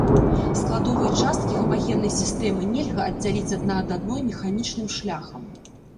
Складовыя часткі гамагеннай сістэмы нельга аддзяліць адна ад адной механічным шляхам.